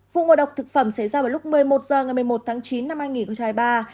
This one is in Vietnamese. vụ ngộ độc thực phẩm xảy ra vào lúc một mươi một h ngày một mươi một tháng chín năm an nghỉ của trại ba